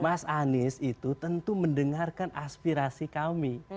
mas anies itu tentu mendengarkan aspirasi kami